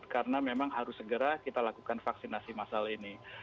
karena memang harus segera kita lakukan vaksinasi masalah ini